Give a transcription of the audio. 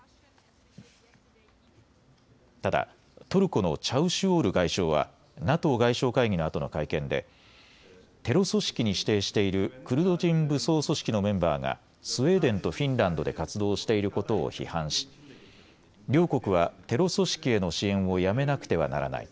ただトルコのチャウシュオール外相はＮＡＴＯ外相会議のあとの会見でテロ組織に指定しているクルド人武装組織のメンバーがスウェーデンとフィンランドで活動していることを批判し両国はテロ組織への支援をやめなくてはならない。